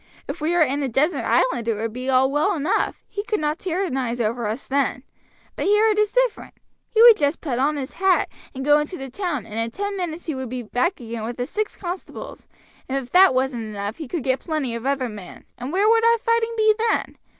"If we were in a desert island it would be all well enough, he could not tyrannize over us then: but here it is different. He would just put on his hat and go into the town, and in ten minutes he would be back again with the six constables, and if that wasn't enough he could get plenty of other men, and where would our fighting be then?